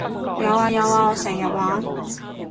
有呀有呀我成日玩